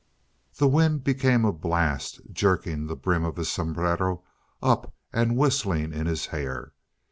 The wind became a blast, jerking the brim of his sombrero up and whistling in his hair.